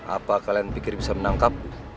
apa kalian pikir bisa menangkap